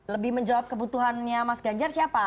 lebih menjawab kebutuhannya mas ganjar siapa